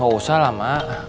gak usah lah mak